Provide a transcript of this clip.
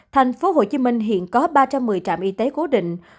tp hcm hiện có ba trăm một mươi trạm y tế cố định